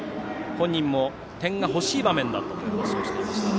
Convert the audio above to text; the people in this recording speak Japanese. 本人も点が欲しい場面だったと話していました。